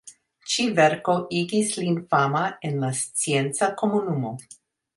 Ĉi-verko igis lin fama en la scienca komunumo.